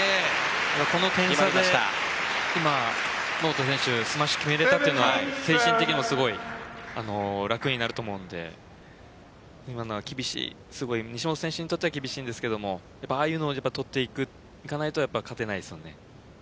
この点差で今、桃田選手スマッシュ決めれたというのは精神的にもすごい楽になると思うので今のは西本選手にとっては厳しいんですがああいうのを取っていかないと勝てないですよね。